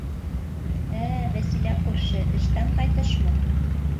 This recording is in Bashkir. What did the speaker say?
Ә, Вәсилә күрше, эштән ҡайтышмы?